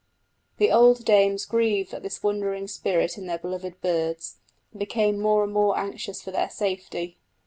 The old dames grieved at this wandering spirit in their beloved birds, and became more and more anxious for their safety.